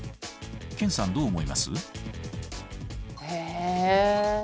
研さんどう思います？え？